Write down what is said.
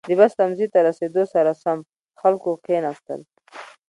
• د بس تمځي ته رسېدو سره سم، خلکو کښېناستل.